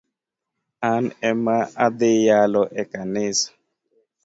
An ema adhii yalo e kanisa